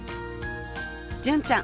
純ちゃん